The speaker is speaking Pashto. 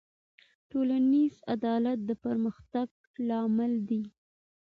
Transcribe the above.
ټولنیز عدالت د پرمختګ لامل دی.